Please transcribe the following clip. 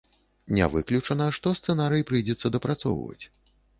Не выключана, што сцэнарый прыйдзецца дапрацоўваць.